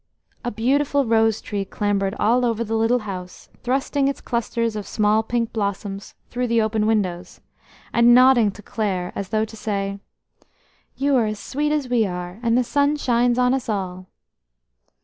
A beautiful rose tree clambered all over the little house, thrusting its clusters of small pink blossoms through the open windows, and nodding to Clare as though to say: "You are as sweet as we are, and the sun shines on us all."